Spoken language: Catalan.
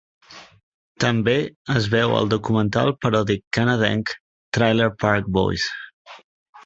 També es veu al documental paròdic canadenc "Trailer Park Boys".